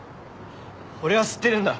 俺は知ってるんだ。